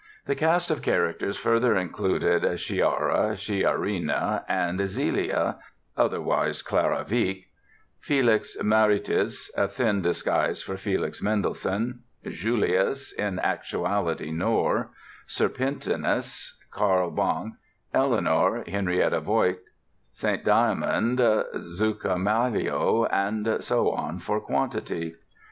The cast of characters further included "Chiara", "Chiarina" and "Zilia"—otherwise Clara Wieck; "Felix Meritis", a thin disguise for Felix Mendelssohn; "Julius", in actuality Knorr; "Serpentinus", Carl Banck; "Eleanore", Henriette Voigt; "St. Diamond", Zuccalmaglio, and so on for quantity!